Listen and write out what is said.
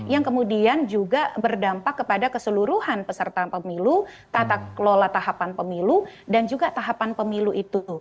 yang kemudian juga berdampak kepada keseluruhan peserta pemilu tata kelola tahapan pemilu dan juga tahapan pemilu itu